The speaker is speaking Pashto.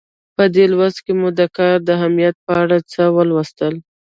په دې لوست کې مو د کار د اهمیت په اړه څه ولوستل.